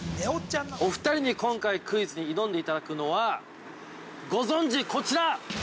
◆お二人に、今回クイズに挑んでいただくのは、ご存じこちら！